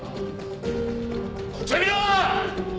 こっちを見ろ！